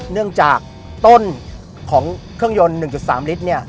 เนื่องจากต้นของเครื่องยนต์๑๓ลิตร